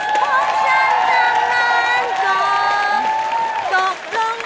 เพราะฉันจำนานก่อ